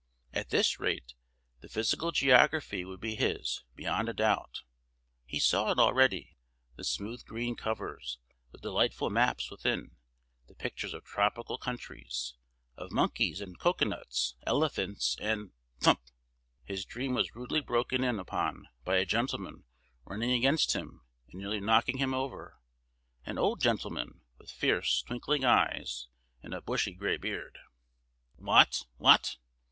At this rate, the Physical Geography would be his, beyond a doubt. He saw it already,—the smooth green covers, the delightful maps within, the pictures of tropical countries, of monkeys and cocoanuts, elephants and—THUMP! His dream was rudely broken in upon by a gentleman running against him and nearly knocking him over,—an old gentleman, with fierce, twinkling eyes and a bushy gray beard. "What! what!"